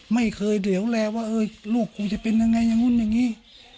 ไม่เคยเหลวแลว่าลูกคงจะเป็นยังไงอย่างนู้นอย่างนี้